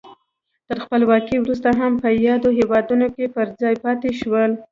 تر خپلواکۍ وروسته هم په یادو هېوادونو کې پر ځای پاتې شول.